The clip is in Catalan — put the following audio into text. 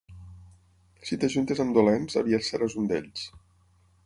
Si t'ajuntes amb dolents, aviat seràs un d'ells.